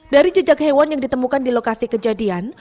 dari jejak hewan yang ditemukan di lokasi kejadian